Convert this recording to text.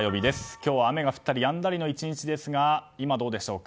今日は雨が降ったりやんだりの１日ですが今、どうでしょうか。